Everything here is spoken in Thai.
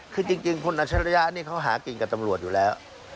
คือจริงคุณอัชริยะนี่เขาหากินกับตำรวจอยู่แล้ว